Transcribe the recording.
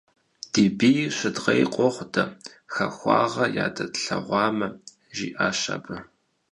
- Ди бийр щыдгъей къохъу дэ, хахуагъэ ядэтлъэгъуамэ, - жиӀащ абы.